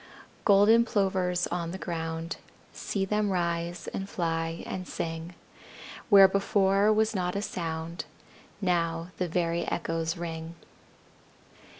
Golden Plovers on the ground, See them rise, and fly, and sing; Where before was not a sound Now the very echoes ring.